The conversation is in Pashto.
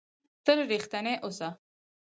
تل رښتنی اوسهٔ.